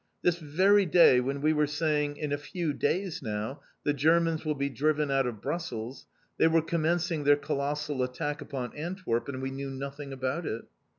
This very day, when we were saying, "In a few days now the Germans will be driven out of Brussels," they were commencing their colossal attack upon Antwerp, and we knew nothing about it.